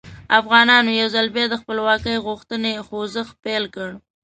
افغانانو یو ځل بیا د خپلواکۍ غوښتنې خوځښت پیل کړ.